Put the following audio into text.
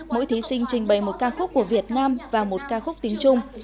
mỗi thí sinh trình bày một ca khúc của việt nam và một ca khúc tiếng trung